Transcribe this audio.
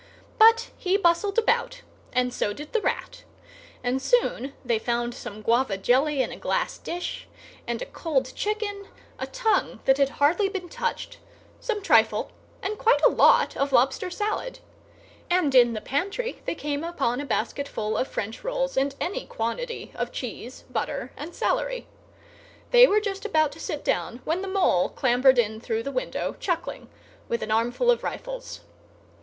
But he bustled about, and so did the Rat, and soon they found some guava jelly in a glass dish, and a cold chicken, a tongue that had hardly been touched, some trifle, and quite a lot of lobster salad; and in the pantry they came upon a basketful of French rolls and any quantity of cheese, butter, and celery. They were just about to sit down when the Mole clambered in through the window, chuckling, with an armful of rifles.